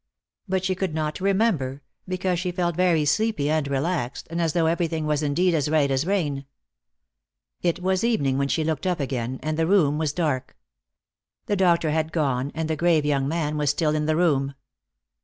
But she could not remember, because she felt very sleepy and relaxed, and as though everything was indeed as right as rain. It was evening when she looked up again, and the room was dark. The doctor had gone, and the grave young man was still in the room.